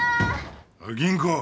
おい吟子。